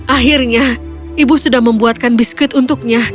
akhirnya ibu sudah membuatkan biskuit untuknya